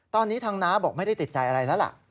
ตอนนี้ทางน้าบอกไม่ได้ติดใจอะไรแล้วล่ะ